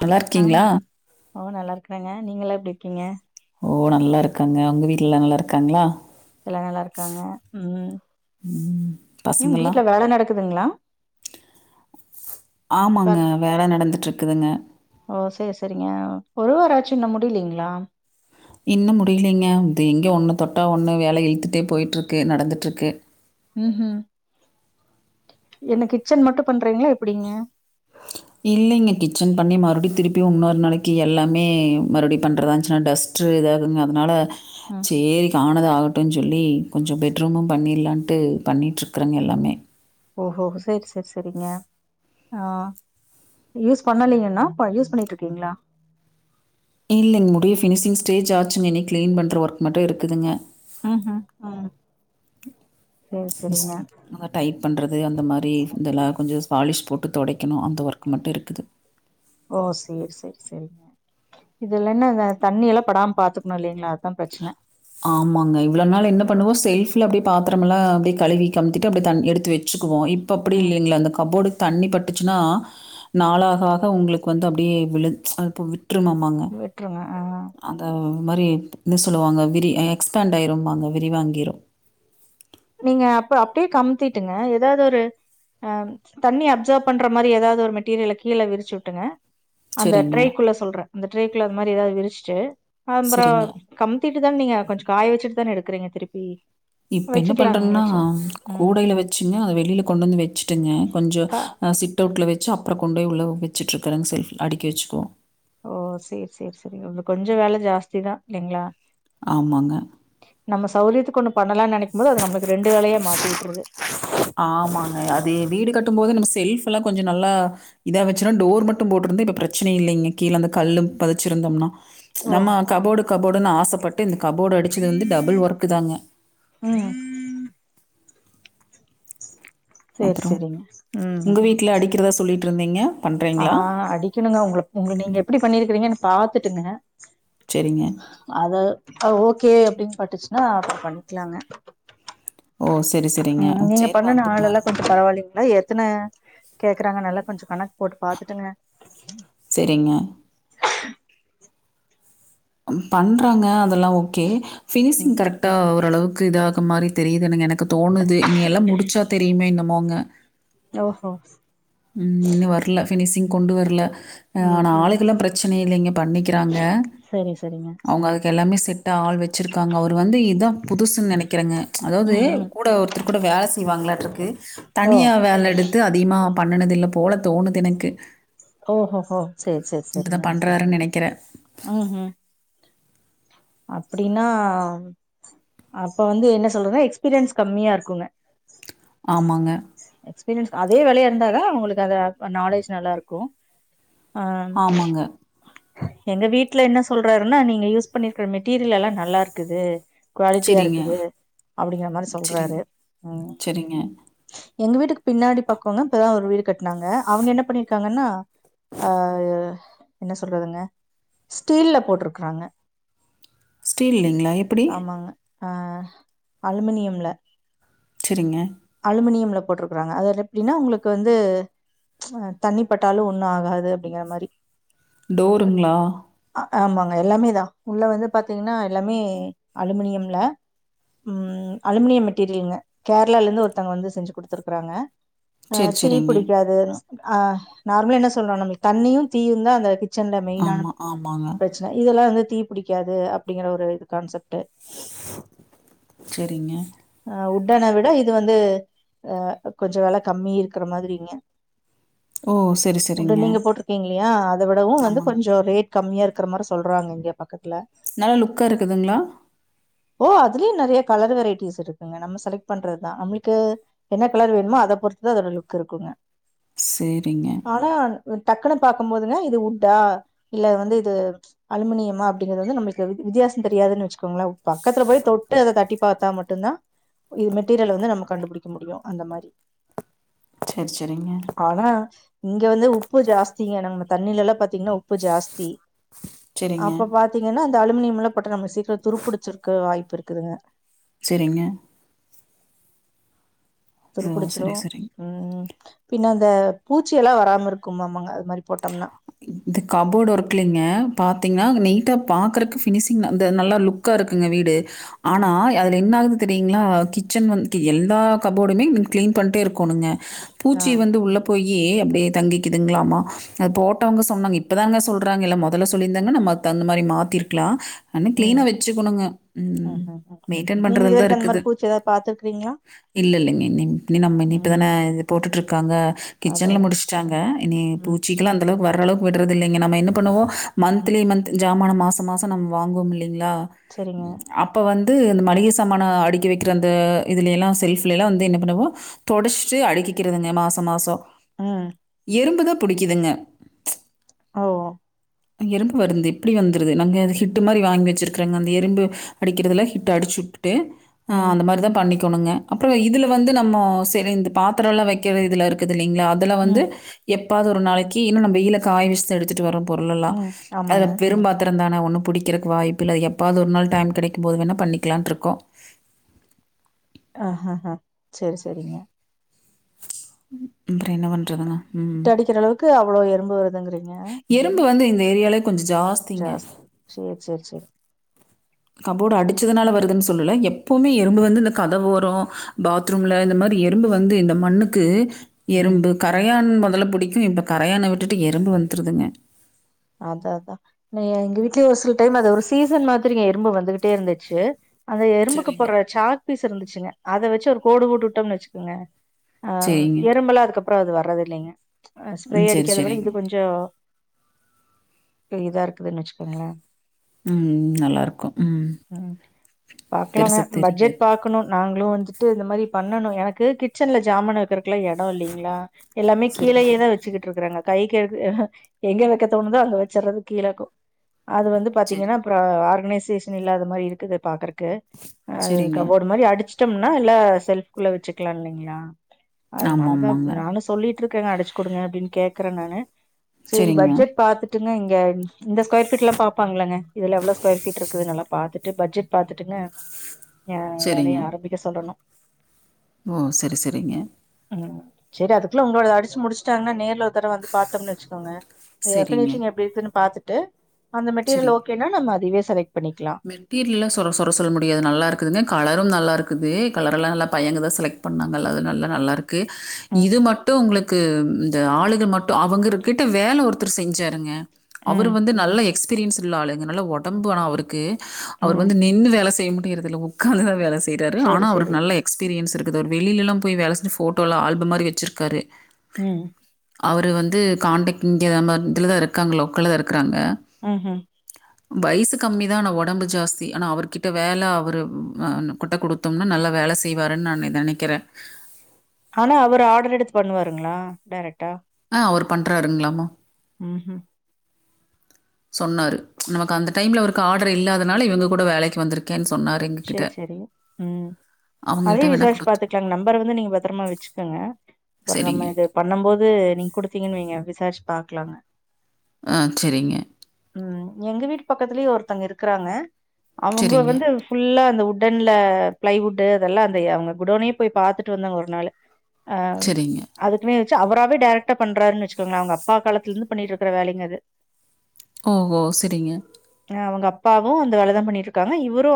நல்லா ஆ இருக்கீங்களா? ஓ நல்லா இருக்கறங்க நீங்க எல்லா எப்டி இருக்கீங்க ஓ நல்லா இருக்கங்க ஒங்க வீட்டலல்லா நல்லா இருக்காங்களா எல்லா நல்லாருக்காங்க ம் ம் ம். ஏங் பசங்கலாம்? வீட்ல வேல நடக்குதுங்களா ஆமாங்க வர் வேல நடந்துட்டுருக்குதுங்க ஓ சேரி சேரிங்க ஒரு வார ஆச்சு இன்னு முடிலிங்களா இன்னு முடிலிங்க இது எங்க ஒன்னு தொட்டா ஒன்னு வேல இழுத்துட்டே போயிட்டுருக்கு நடந்துட்டுருக்கு ம்ஹு என்ன கிச்சன் மட்டு பண்றீங்களா எப்டி இல்லிங்க கிச்சன் பண்ணி மறுடியு திருப்பியு இன்னொர் நாளைக்கு எல்லாமே மறுபடி பண்றதா இருந்துச்சுன்னா டஸ்ட் ட்ரு எதாது அதனால ம் சேரி ஆனது ஆகட்டுன் சொல்லி கொஞ்ச பெட்ரூமு பண்ணிடலான்ட்டு பண்ணிட்டுருக்குறங்க எல்லாமே ஓஹோ சேரி சேரி சேரிங்க ஆ யூஸ் பண்ணலீங்கன்னா யூஸ் பண்ணிட்டு இருக்கீங்களா இல்லிங்க முடிய ஃபினிஷிங் ஸ்டேஜ் ஆச்சுங்க இனி கிளீன் பண்ற ஒர்க் மட்டு இருக்குதுங்க ம்ஹு ம் சேரி சேரிங்க நல்லா டைட் பண்றது அந்த மாரி இதெல்லா கொஞ்சோ பாலிஷ் போட்டு தொடைக்கணு அந்த ஒர்க் மட்டு இருக்குது ஓ சேரி சேரி செரிங்க இதுல்ல என்ன தண்ணி எல்லா படாம பாத்துக்கணு இல்லைங்களா அதா பிரச்சன ஆமாங்க இவ்ள நாள் என்ன பண்ணுவோ செல்ஃப்ல்ல அப்டே பாத்தரமெல்லா அப்டியே கழுவி கமித்திட்டு அப்டி தண் எடுத்து வச் வச்சுக்குவோ இப்ப அப்டி ம் இல்லைங்களா அந்த கபோர்டு தண்ணி பட்டுச்சுன்னா நாள் ஆக ஆக உங்களுக்கு வந்து அப்டியே விழு அப்டியே அ விட்றுனு விட்ருங்க அ அந்த மாரி என்ன சொல்லுவாங்க விரி எக்ஸ்பேண்ட் ஆயிரும்பாங்க விரி வாங்கிரு நீங்க அப்ப அப்டியே கமித்திட்டுங்க எதாவது ஒரு ஆ தண்ணி அப்சர்வ் பண்ற மாரி ஏதாவது ஒரு மெட்டீரியல கீழ விரிச்சுட்டுங்க அந்த சரிங்க ட்ரேக்குள்ள சொல்றே அந்த ட்ரேக்ல அது மாரி எதாவது விரிச்சிட்டு ஆம்பறோ சரிங்க கம்த்திட்டு தான நீங்க கொஞ்சோ காய வெச்சிட்டு தான எடுக்கறீங்க திருப்பி இப்ப என்ன பண்றங்கன்னா வச்சுக்கலாங்களாச்சா ம் கூடைல வெச்சுங்க அத வெளியில கொண்டு வந்து வெச்சுட்டுங்க கொஞ்ச கா நா சிட் அவுட்ல வச்சு அப்புற கொண்டு போயி உள்ள வெச்சுட்டுருக்கறனு செல்ஃப் அடிக்கி வெச்சுக்கோ ஓ சேரி சேர் சேரி உங்ளுக்கு கொஞ்சோ வேல ஜாஸ்தி தா இல்லைங்ளா ஆமாங்க நம்ம சௌரியத்துக்கு ஒண்ணு பண்ணலானு நெனைக்கும் போது அது நம்மளுக்கு ரெண்டு வேலயா மாத்தி விட்டுருது ஆமாங்க அது வீடு கட்டும் போது நம்ம செல்ஃப் எல்லா கொஞ்ச நல்லா இதா வெச்சுன்னா டோர் மட்டும் போட்டிருந்தா இப்ப பிரச்சன இல்லைங்க கீழ அந்த கல்லும் பதச்சிருந்தோம்னா ஓ நம்ம கபோர்டு கபோர்டுன்னு ஆசப்பட்டு இந்த கபோர்டு அடிச்சதுலந்து டபுள் ஒர்க்கு தாங்க ம் சேரி அப்புறோ சேரிங்க ம் உங்க வீட்ல அடிக்கிறதா சொல்லிட்டுருந்தீங்க ஆ அடிக்கணுங்க உங்கள உங்க நீங்க எப்டி பண்ணிருக்கிறீங்கன்னு பாத்துட்டுங்க செரிங்க அததா ஓகே அப்படின்னு பாட்டுச்சுன்னா அப்பற பண்ணிக்லாங்க ஓ! சரி, சரிங்க. ம் நீங்க சரி பண்ணுன வந்து ஆள் எல்லா பாருங்க. கொஞ்சம் பரவால்லிங்களா எத்தன கேக்கறாங்க நல்லா கொஞ்சோ கணக்கு போட்டு பாத்துட்டுங்க செரிங்க பண்றாங்க அதெல்லா ஓகே ஃபினிஷிங் ம் கரெக்டா ஓரளவுக்கு இதாக மாரி தெரியுதுனுங்க எனக் கு தோணுது இனி எல்லா முடிச்சா தெரியுமே என்னமோங்க ஓஹோ ம் இன்னு வர்ல ஃபினிஷிங் கொண்டு வர்ல ம் ஆனா ம் ஆளுக்கெல்லா பிரச்சன இல்லைங்க பண்ணிக்கிறாங்க செரி செரிங்க அவங்க அதுக்கு எல்லாமே செட் ஆள் வெச்சிருக்காங்க அவரே வந்து இதா புதுசுன்னு நெனைக்கிறங்க அதாவது ம் ம் கூட ஒரு தரு கூட வேல செய்வாங்களாட்ருக்கு ஓ தனியா வேல எடுத் து அதிகமா பண்ணனது இல்ல போல தோணுது எனக்கு ஓஹோஹோ சேர் சேர் சேரிங்க இப்பதான் பண்றாருன்னு நெனைக்கிறேன். ம் ம் அப்டின்னா அப்ப வந்து என்ன சொல்றதுனா எக்ஸ்பீரியன்ஸ் கம்மியா இருக்குங்க ஆமாங்க எக்ஸ்பீரியன்ஸ் அதே வேலையா இருந்தாதா உங்களுக்கு அத நாலேஜ் நல்லா இருக்கு ஆ ஆமாங்க. எங்க வீட்ல என்ன சொல்றாருன்னா நீங்க யூஸ் பண்ணிருக் க மெட்டீரியல் எல்லா நல்லா இருக்குது குவாலிட்டியா சரிங்க, இருக்குது அப்பிடிங்கற மாரி சொல்றாரு சரிங்க, ம் சரிங்க. எங்க வீட்டுக்கு பின்னாடி பக்கவங்க இப்பதா ஒரு வீடு கட்னாங்க அவுங்க என்ன பண்ணிருக்காங்கன்னா அ ஒ என்ன சொல்றதுங்க ஸ்டீல்ல போட்டிருக்கறாங்க ஸ்டீல்லீங்ளா எப் ஆமாங்க ஆ அலுமினியம்ல செரிங்க அலுமினியம்ல போட்ருக்கறாங்க அதது எப்டின்னா உங்ளுக்கு வந்து அ தண்ணிப்பட்டாலு ஒண்ணு ஆகாது அப்டிங்கிற மாரி டோருங்ளா அ ஆமாங்க எல்லாமேதா உள்ள வந்து பாத்தீங்கன்னா எல்லாமே அலுமினியம்ல ம் அலுமினியம் மெட்டீரியலுங்க கேர்ளாலந்து ஒரு த்தங்க வந்து செஞ்சு குடுத்துருக்கறாங்க அ சரி திரிப் சரிங்க புடிக்காது அ நார்மலா என்ன சொல்றோ நம்ளுக் தண்ணியுந் தீயுந்தா அந்த கிச்சன்ல மெயினா ஆமாம் ஆமாங்க பிரச் ன இதல்லா வந்து தீப் பிடிக்காது அப்டிங்கிற ஒரு இது கான்செப்ட்டு செரிங்க அ உட்டன விட இது வந்து அ கொஞ்சோ வெலக் கம்மி இருக்கற மாதிரிங்க ஓ சரி சரிங்க உட்டு நீங்க போட்ருக்கீங்கில்லியா அத விடவு வந்து ஆமாங்க கொஞ்சோ ரேட் கம்மியா இருக்ற மாரி சொல்றாங்க இங்க பக்கத்ல நல்லா லுக்கா இருக்குதுங்ளா ஓ அதுலியு நெறய கலர் வெரைட்டிஸ் இருக்குங்க நம்ம செலக்ட் பண்றத் தா நம்ளுக்கு என்னக் கலர் வேண்மோ அதப் பொறுத்துதா அதோட லுக்கு இருக்குங்க சேரிங்க ஆனா டக்குனு பாக்கும் போதுங்க இது உட்டா இல்ல வந்து இது அலுமினியமா அப்டிங்கிறது வந்து நம்ளுக்கு வித் வித்தியாசோந் தெரியாதுன் வச்சுக்கோங்ளே பக்கத்துல போய் தொட்டு அத தட்டி பாத்தா மட்டுந்தா இது மெட்டீரியல்ல வந்து நம்ம கண்டுபுடிக்க முடியு அந்த மாரி சேர் செரிங்க ஆனா இங்க வந்து உப்பு ஜாஸ்திங்க நம்ம தண்ணிலலா பாத்தீங்னா உப்பு ஜாஸ்தி சரிங்க அப்ப பாத்தீங்கனா அந்த அலுமினியமில்லாப் போட்டா நம்ம சீக்ரோ துருப்புடிச்சிருக்க வாய்ப்பு இருக்குதுங்க செரிங்க ஓ துருப்புடுச்சுரு சரி சரிங்க ம் பின்ன அந்த பூச்சி எல்லா வராம இருக்குமாமாங்க அது மாரி போட்டம்னா [unintelligible] இந்தக் கபோர்டு ஒர்க்லிங்க பாத்திங்னா நீட்டா பாக்கறக்கு ஃபினிஷிங் அந்த நல்லா லுக்கா இருக்குங்க வீடு ஆனா ம் அதுல என்னாகுது தெரியுங்ளா கிச்சன் வந்து ட்டு எல்லா கபோடுமே கிளீன் பண்ட்டே இருக்கோனுங்க ஆ பூச்சி வந்து உள்ளப் போயி அப்டியே தங்கிக்கிதுங்ளாமா அதப் போட்டவங்க சொன்னாங்க இப்பதாங்க சொல்றாங்க இல்ல மொதல சொல்லிந்தாங்னா நம்ம அதுக்கு தகுந்த மாரி மாத்திருக்லா அன்னக் ம் கிளீனா வச்சுக்குணுங்க ம் ம் மெயின்டென் நீங்க இது பண்றதல்தா வரைக்கு அந்த மாரி இருக்குது பூச்சி எதாவது பாத்துருக்கீங்களா இல்ல இல்லங்க இனிம் இனி நம்ம இனி இப்பதான ம் இது போட்டுட்ருக்காங்க அதா கிச்சன்ல அதா முடிச்ட்டாங்க இனி ம் பூச்சி சிக்கிளா அந்தளக்கு வர அளவுக்கு விடறதில்லைங்க நம்ம என்னப் பண்ணுவோ ம் மந்த்லி மந்த்து ஜமானம் மாச மாச் சம் நம் வாங்குவோம் இல்லிங்ளா சரிங்க அப்ப வந்து இந்த மளிகை சாமானோ அடுக்கி வெக்ற அந்த இதுலியேலா செல்ஃப்லைலா வந்து என்ன பண்ணுவோ தொடச்ட்டு அடிக்கிக்கிறதுங்க மாசோ மாசோ ம் எறும்புதா புடிக்கிதுங்க ஓ எறும்பு வருந்து எப்டி வந்துருது நாங்க அது ஹிட்டு மாரி வாய்ங் வச்சுருக்கறங்க அந்த எறும்பு அடிக்கிறதுல ஹிட்டு அடிச்சுட்டு அ ம் அந்த மாரிதாப் பண்ணிக் கொணுங்க அப்றோ இதுல வந்து நம்மோ செரி இந்தப் பாத்தரோலா வெக்கிற இதுல இருக்குது இல்லிங்ளா அத் இதல வந்து ம் எப்பாது ஒரு நாளைக்கி இன்னு நம்ம வெய்ல காய வெஷ்தா எடுத்துட்டு வரோம் பொருள் எல்லா ம் ஆமாங்க அதப் பெரும்பாத் திருந்தான ஒன்னுப் புடிக்கிறக் வாய்ப்பு இல்ல எப்பாது ஒரு நாள் டைம் கெடைக்கும் போது வேணாப் பண்ணிக்கிலான்ட்ருக்கோ அ அ அ சரி சரிங்க அப்றோ என்ன பண் ஹிட் அடிக்கிற அளவுக்கு அவ்ளோ எறும்பு வருதுங்கிறீங்க எறும்பு வந்து இந்த ஏரியாலே கொஞ்ச ஜாஸ் ஜாஸ் சேர் சேர் சேர் கபோர்டு அடிச்சதுனால வருதுன் சொல்லல எப்போமே எறும்பு வந்து இந்த கதவோரோ பாத்ரூம்ல இந்த மாரி எறும்பு வந்து இந்த மண்ணுக்கு ம் எறும்பு கரையான் மொதல்ல புடிக்கு இப்ப கரையான விட்டுட்டு எறும்பு வந்துருதுங்க அதா அதா நீ எங்க வீட்லயு ஒரு சில டைம் அது ஒரு சீசன் மாதிரிங்க எறும்பு வந்துகிட்டே இருந்துச்சு அந்த எறும்புக்கு சரிங்க. போட்ற சாக்ப்பீஸ் இருந்துச்சுங்க அத வெச்சு ஒரு கோடு போட்டுட்டோம்னு வச்சுக்குங்க ஆ சரிங்க. எறும்பெல்லா அதுக்கப்ற அது வர்றதில்லைங்க அ ஸ்ப்ரே ம். சரி, அடிக்கிறத விட சரிங்க. இது கொஞ்ச எ இதா இருக்குதுன் வச்சுக்கோங்களே ம். நல்லாருக்கும். ம் பாக்கலாங்க பெருசா பட்ஜெட் தெரியாது. பாக் க்கணு நாங்களு வந்துட்டு இந்த மாரி பண்ணணு எனக்கு கிச்சன்ல ஜாமன் வெக்கறக் லா எடோ இல்லைங்களா எல்லாமே சரிங்க. கீழயே தா வெச்சுக்கிட்டு இருக்குறங்க கைக்கு எடுத் ஆ ஹ எங்க வெக்க தோணுதோ அங்க வெச்சறது கீழக்கு அது வந்து சரி. பாத்தீங்கனா ஆ ஆர்கனிசேஷன் இல்லாத மாரி இருக்குது பாக்கறக்கு அது சரிங்க. கபோர்டு மாரி அடிச்சு ட்டம்னா இல்ல செல்ஃபுல வச்சுக்கலா இல்லைங்ளா அதனாலதா ஆமாமாங்க. நானு சொல்லிட் ருக்கங்க அடிச்சு குடுங்க அப்டின் கேக்குறே நானு சேரி சரிங்க. பட்ஜெட் பாத்துட்டுங்க இங்க இந்த ஸ்கொயர் ஃபீட்லா பாப்பாங்கலங்க இதுல எவ்ளோ ஸ்கொயர் ஃபீட் இருக்குதுனுலா பாத்துட்டு பட்ஜெட் பாத்துட்டுங்க எ சரிங்க. வேலைய ஆரம்பிக்க சொல்லணு ஓ செரி செரிங்க சேரி அதுக்குள்ள உங்களோடது அடிச்சு முடிச்ட்டாங்கனா நேர்ல ஒரு தடவ வந்து பாத்தம்னு வச்சுக்கோங் அ சரிங்க. ஃபினிஷிங் எப்டி இருக்குன்னு பாத்துட்டு அந்த மெட்டீரியல் ஓகேனா நம்ம அதைவே செலக்ட் பண்ணிக்கலா மெட்டீரியல்லா சொர சொர சொல்ல முடியாது நல்லா இருக்குதுங்க கலரும் நல்லா இருக்குது கலரெல்லா நல்லா பையங்க தா செலக்ட் பண்ணாங்கள அது நல்ல நல்லா இருக்கு ம் இது மட்டு உங்களுக்கு அ ஆளுக மட்டு அவங்கருக்கிட்ட வேல ஒருத்தர் செஞ்சாருங்க அவரு ம் வந்து நல்ல எக் க்ஸ்பீரியன்ஸ் உள்ள ஆளுங்க நல்லா ஒடம்பு ஆனா அவருக்கு அவரு ம் வந்து நின்னு வேல செய்ய மா டிறதுல உக்காந்து தா வேல செய்றாரு ஆனா செரி செரி அவருக்கு நல்ல எக்ஸ்பீரியன்ஸ் இருக்குது அவரு வெளிலலா போய் வேல செஞ்சு ஃபோட்டோலா ஆல்பம் மாரி வெச்சிருக்காரு ம் அவரு வந்து காண்டக்ட் இங்க நம்ம இதுலதா இருக்காங்க லோக்கல்ல தா இருக்குறாங்க ம் ம் வைசுக்கு கம்மி தா ஆனா ஒடம்பு ஜாஸ்தி ஆனா அவருகிட்ட வேல அவரு அவ்னுகிட்ட குடுத்தம்னா நல்ல வேல செ தெய்வாருன் நானு நெனைக்கிறே ஆனா அவரு ஆட்ரு எடுத்து பண்ணுவாருங்ளா டேரக்ட்டா ஆ அவரு பண்றாருங்க்லாமா ம் ம் சொன்னாரு நமக்கு அந்த டைம்ல அவருக்கு ஆட்ரு இல்லாதனால இவங்க கூட வேலைக்கு வந்திருக்கேன் சொன்னாரு எங்ககிட்ட. சேர் சேரிங்க ம் அதையு அவங்ககிட்ட வேணா விசாரிச்சு குடுத்து பாத்துக்கலாங்க நம்பர வந்து நீங்க பத்தரமா வச்சுக்குங்க வர்ற சரிங்க. மாரி பண்ணம் போது நீங்க குடுத்தீங்கன் வைங்க விசாரிச்சு பாக்கலாங்க ஆ செரிங்க ம் எங்க வீட்டு பக்கத்துலயு ஒருத்தங்க இருக்குறாங்க அவுங்க சரிங்க. வந்து ஃபுல்லா இந்த உட்டன்ல ப்ளைவுட்டு அதெல்லா அந்த ஏ அவ்ங்க குடோனே போய் பாத்துட்டு வந்தங்க ஒரு நாளு அ சரிங்க. அதுக்குனே வெச்சு அவராவே டைரக்டா பண்றாருன் வெச்சுக்கோங்ளே அவுங்க அப்பா காலத்திலந்து பண்ணிட்டு இருக்கற வேலைங்க அது ஓஹோ சேரிங்க ஏனா அவுங்க அப்பாவு இந்த வேலதான் பண்ணிட்டு இருக்காங்க இவரு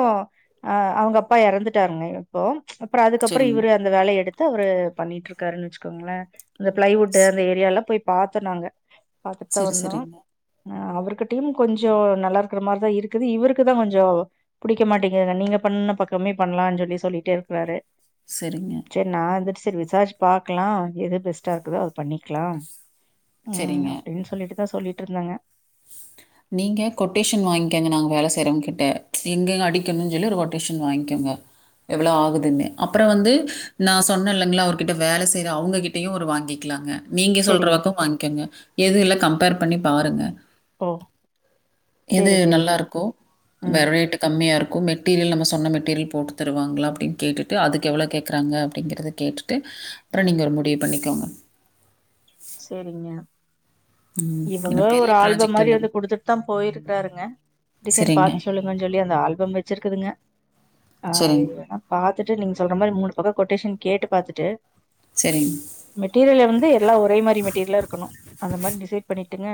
அ அவுங்க அப்பா எறந்துட்டாருங்க இப்போ அப்றொ அதுக்கப்றொ சரிங்க. இவரு இந்த வேலைய எடுத்து அவரு பண்ணிட்டுருக்காருன் வெச்சுக்கோங்ளே அந்த பிளைவுட் ஸ் அந்த ஏரியால போய் பாத்தோ நாங்க பாத்துட்டுதா சரி, வந்தோ சரிங்க. அ அவர்கிட்டயும் கொஞ்சோ நல்லா இருக்கற மாரிதா இருக்குது இவருக்குதான் கொஞ்சோ புடிக்க மாட்டி ஏதா நீங்க பண்ண பக்கமே பண்ணலான் சொல்லி சொல்லிட்டே இருக்கறாரு செரிங்க சேரி நா இந்துட்டு செரி விசாரிச்சு பாக்கலா எது பெஸ்டா இருக்குதோ அத பண்ணிக்லா சேரிங்க சொல்லிட்டுதா சொல்லிட்டுருந்தாங்க நீங்க கொட்டேஷன் வாய்ங்க்கங்க நாங்க வேல செய்றவங்ககிட்ட எங்கங்க அடிக்கனுன் சொல்லி ஒரு கொட்டேஷன் வாய்ங்க்கங்க எவ்ளோ ஆகுதுன்னு அப்றோ வந்து நா சொன்ன இல்லங்ளா அவருகிட்ட வேல செய்ற அவுங்ககிட்டயு அவரு வாங்கிக்கலாங்க நீங்க சரிங்க. சொல்றவக்கொ வாங்கிகங்க எது இல கம்ப்பேர் பண்ணி பாருங்க ஓ எது சரி நல்லா சரிங்க. இருக்கோ ம். வேற ரேட்டு கம்மியா இருக்கு மெட்டீரியல் நம்ம சொன்ன மெட்டீரியல் போட்டு தருவங்ளா அப்டின் கேட்டுட்டு அதுக்கு எவ்ளோ கேக்கறாங்க அப்டிங்கறத கேட்டு ட்டு அப்றொ ம். நீங்க ஒரு முடிவு பண்ணிக்கோங்க சேரிங்க ம். இவுங்க ஏன்னா பெரிய ஒரு ஆல்பம் ப்ராஜெக்ட் மாரி இல்லைங்க. வந்து குடுத்துட்டுதான் போயிருக்காருங்க டிசைன் சரிங்க. பாத்து சொல்லு ங்க சொல்லி அந்த ஆல்பம் வேச்சிருக்குதுங்க சரிங்க. பாத்துட்டு நீங்க சொல்ற மாரி மூணு பக்கொ கொட்டேஷன் கேட்டு பாத்துட்டு சேரிங் மெட்டீரியலிருந்து எல்லா ஒரே மாரி மெட்டீரியலா இருக்கணு அந்த மாரி டிசைட் பண்ணீட்டுங்க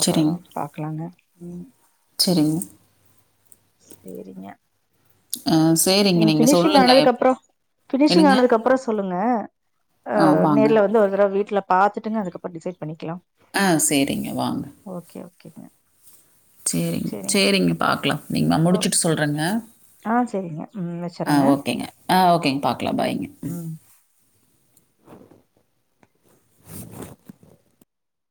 அப்றோலா பாக்கலாங்க ம் சேரிங்க சேரிங்க அ நீங் ஃபினிஷிங் ஆனதுக்கு அப்றொ ஃபினிஷிங் என்னங்க? ஆனதுக்கப்றோ சொல்லுங்க ஆ நேர்ல வந்து ஒரு தரவ வீட்ல பாத்துட்டுங்க அதுக்கப்றோ டிசைட் பண்ணிக்கலா ஆ சேரிங்க வாங்க ஓகே ஓகேங்க சேரிங்க சரிங்க. சேரிங்க பாக்கலா நீங் நா ஓ முடிச்சிட்டு சொல்றங்க [unintelligible] ஆ ஓகேங்க ஆ ஓகேங்க பாக்கலா பாய்ங்க ம்